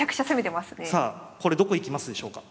さあこれどこ行きますでしょうか。